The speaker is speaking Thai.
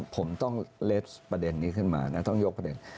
ผมต้องเลสประเด็นนี้ขึ้นมานะต้องยกประเด็น